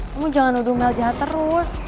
kamu jangan nuduh mel jahat terus